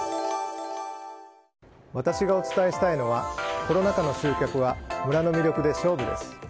私がお伝えしたいのはコロナ禍の集客は村の魅力で勝負です。